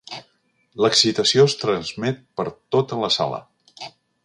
L'excitació es transmet per tota la sala.